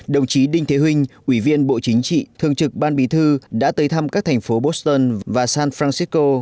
đồng chí đinh thế vinh ủy viên bộ chính trị thường trực ban bí thư đã tới thăm các thành phố boston và san francisco